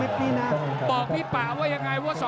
ติดตามยังน้อยกว่า